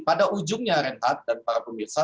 pada ujungnya renhat dan para pemirsa